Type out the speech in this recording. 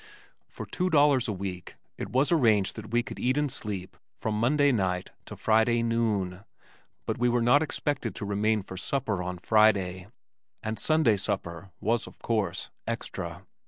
For two dollars a week it was arranged that we could eat and sleep from Monday night to Friday noon, but we were not expected to remain for supper on Friday; and Sunday supper, was of course, extra.